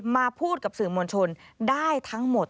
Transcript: มาพูดกับสื่อมวลชนได้ทั้งหมด